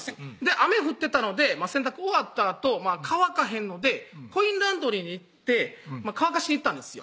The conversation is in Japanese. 雨降ってたので洗濯終わったあと乾かへんのでコインランドリーに行って乾かしに行ったんですよ